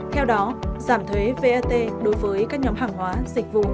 theo đó giảm thuế vat đối với các nhóm hàng hóa dịch vụ